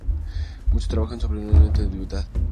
Muchos trabajos nunca sobrevivieron a la antigüedad.